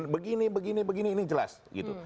begini begini ini jelas gitu